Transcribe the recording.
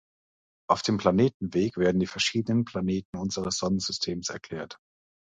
Auf dem Planetenweg werden die verschiedenen Planeten unseres Sonnensystems erklärt.